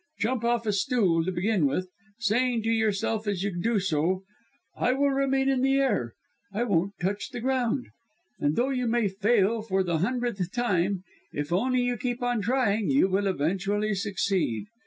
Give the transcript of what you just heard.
Jump off a stool to begin with, saying to yourself as you do so: 'I will remain in the air. I won't touch the ground,' and though you may fail for the hundredth time, if only you keep on trying you will eventually succeed.